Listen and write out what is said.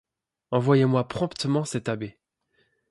Envoyez-moi promptement cet abbé.